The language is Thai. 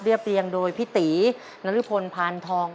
เรียบเรียงโดยปิตินรพนภานธอง